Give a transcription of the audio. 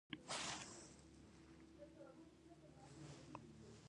درې کسیزې شورا خپل ځای یو کسیز حکومت ته پرېښود.